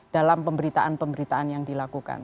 dalam pemberitaan pemberitaan yang dilakukan